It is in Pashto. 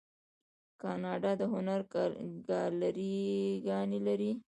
کاناډا د هنر ګالري ګانې لري.